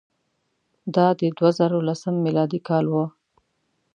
دا د دوه زره لسم میلادي کال وو.